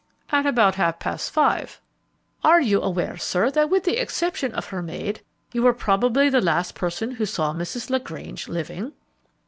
"At about half past five." "Are you aware, sir, that, with the exception of her maid, you are probably the last person who saw Mrs. LaGrange living?"